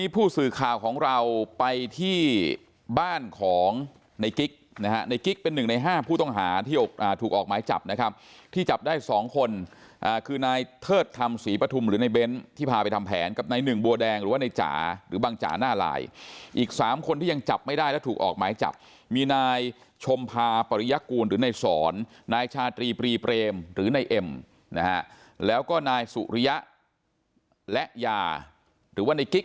ผู้ต้องหาที่อ่าถูกออกหมายจับนะครับที่จับได้สองคนอ่าคือนายเทิดทำสีปะทุ่มหรือในเบ้นที่พาไปทำแผนกับนายหนึ่งบัวแดงหรือว่าในจ๋าหรือบางจ๋าน่าลายอีกสามคนที่ยังจับไม่ได้แล้วถูกออกหมายจับมีนายชมพาปริยกูลหรือในสอนนายชาตรีปรีเปรมหรือในเอ็มนะฮะแล้วก็นายสุริยะและยาหร